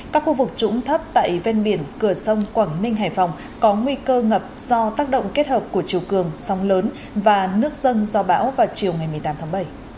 các khu vực trũng thấp tại ven biển cửa sông quảng ninh hải phòng có nguy cơ ngập do tác động kết hợp của chiều cường sông lớn và nước dân do bão vào chiều ngày một mươi tám tháng bảy